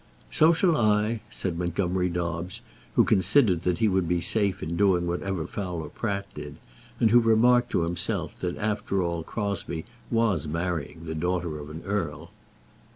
"So shall I," said Montgomerie Dobbs, who considered that he would be safe in doing whatever Fowler Pratt did, and who remarked to himself that after all Crosbie was marrying the daughter of an earl.